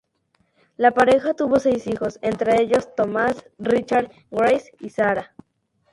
La pareja tuvo seis hijos, entre ellos Thomas Richard, Grace y Sarah.